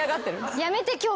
やめて今日。